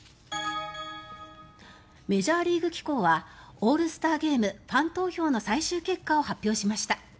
メジャーリーグ機構はオールスターゲームファン投票の最終結果を発表しました。